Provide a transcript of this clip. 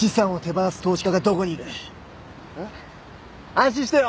安心してよ。